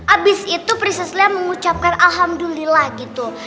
abis itu priceslia mengucapkan alhamdulillah gitu